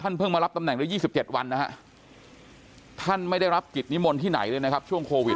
เพิ่งมารับตำแหน่งได้๒๗วันนะฮะท่านไม่ได้รับกิจนิมนต์ที่ไหนเลยนะครับช่วงโควิด